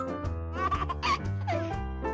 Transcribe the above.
アハハッ。